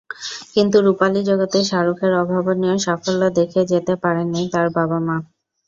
কিন্তু রুপালি জগতে শাহরুখের অভাবনীয় সাফল্য দেখে যেতে পারেননি তাঁর বাবা-মা।